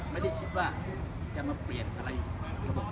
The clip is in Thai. ไม่น่าจะว่าจะเปลี่ยนอะไรอยู่